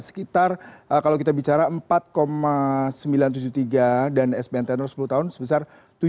sekitar kalau kita bicara empat sembilan ratus tujuh puluh tiga dan sbn tenor sepuluh tahun sebesar tujuh